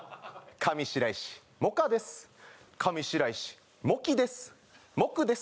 上白石モキです